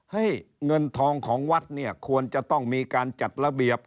ให้เงินทองของวัดเนี่ยควรจะต้องมีการจัดระเบียบ